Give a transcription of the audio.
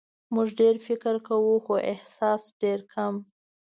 موږ ډېر فکر کوو خو احساس ډېر کم.